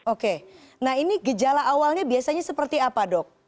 oke nah ini gejala awalnya biasanya seperti apa dok